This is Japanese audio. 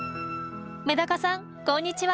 メダカさんこんにちは。